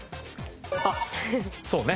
あっそうね。